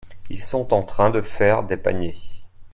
Ils sont en train de faire des paniers.